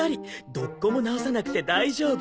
どこも直さなくて大丈夫。